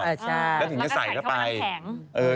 แล้วถึงจะใส่เข้าให้แข็ง